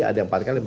ada yang empat kali